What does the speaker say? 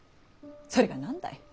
それが何だい。